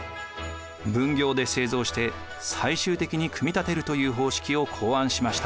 分業で製造して最終的に組み立てるという方式を考案しました。